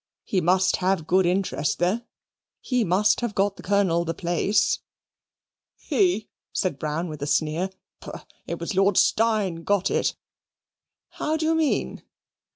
"He must have good interest, though. He must have got the Colonel the place." "He!" said Brown, with a sneer. "Pooh. It was Lord Steyne got it." "How do you mean?"